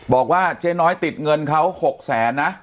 บอกว่าเจ๊น้อยติดเงินเขา๖แสนนะ